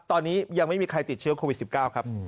ตอนนี้ยังไม่มีใครติดเชื้อโควิด๑๙ครับ